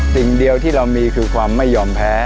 สิ่งเดียวที่เรามีคือความไม่ยอมแพ้